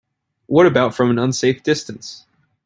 What about from an unsafe distance?